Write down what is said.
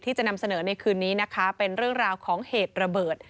จะนำเสนอในคืนนี้นะคะเป็นเรื่องราวของเหตุระเบิด